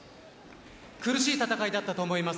苦しい戦いだったと思います。